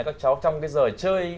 các cháu trong cái giờ chơi